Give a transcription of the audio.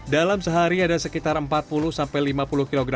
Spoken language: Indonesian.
dalam sehari ada sekitar empat puluh sampai lima puluh kg